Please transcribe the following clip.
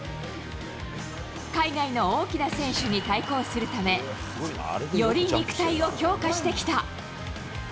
海外の大きな選手に対抗するため、より肉体を強化してきた。